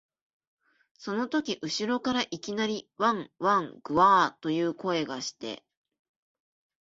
そのとき後ろからいきなり、わん、わん、ぐゎあ、という声がして、